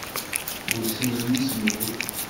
Ur ssinen isem-iw.